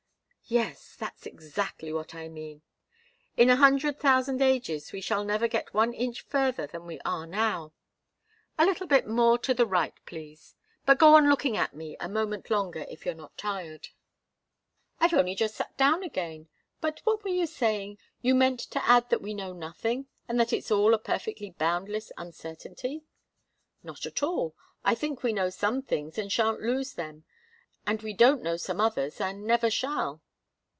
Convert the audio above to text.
"Yes. That's exactly what I mean. In a hundred thousand ages we shall never get one inch further than we are now. A little bit more to the right, please but go on looking at me a moment longer, if you're not tired." "I've only just sat down again. But what you were saying you meant to add that we know nothing, and that it's all a perfectly boundless uncertainty." "Not at all. I think we know some things and shan't lose them, and we don't know some others and never shall."